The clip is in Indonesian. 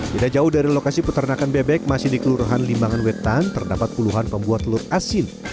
tidak jauh dari lokasi peternakan bebek masih di kelurahan limbangan wetan terdapat puluhan pembuat telur asin